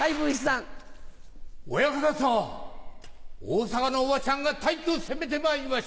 大阪のおばちゃんが大挙攻めてまいりました。